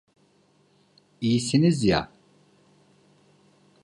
İyisiniz ya!